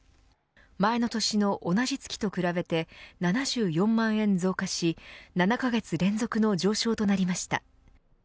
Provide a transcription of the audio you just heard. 前の年の同じ月と比べて７４万円増加し７カ月連続の上昇となりました。